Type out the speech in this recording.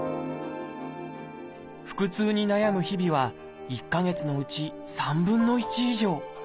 腹痛に悩む日々は１か月のうち３分の１以上。